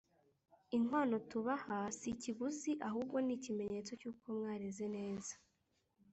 Inkwano tubaha si ikiguzi ahubwo ni ikimenyetso cy’uko mwareze neza.